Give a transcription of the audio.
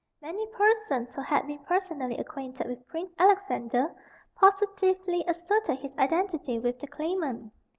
Many persons who had been personally acquainted with Prince Alexander positively asserted his identity with the claimant.